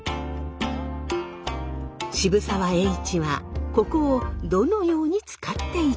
渋沢栄一はここをどのように使っていたのか。